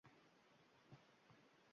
Jonimda tovushsiz, nurli kulasan…